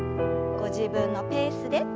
ご自分のペースで。